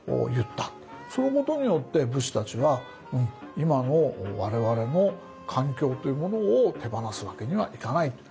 そのことによって武士たちは今の我々の環境というものを手放すわけにはいかないと。